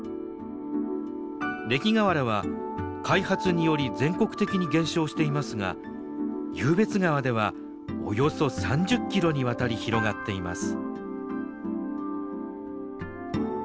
礫河原は開発により全国的に減少していますが湧別川ではおよそ３０キロにわたり広がっています。